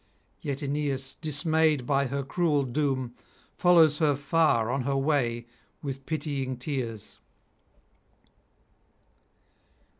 Yet Aeneas, dismayed by her cruel doom, follows her far on her way with pitying tears.